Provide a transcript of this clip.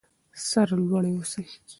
سر لوړي اوسئ.